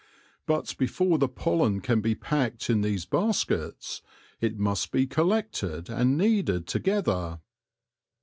But before the pollen can be packed in these baskets it must be collected and kneaded to gether.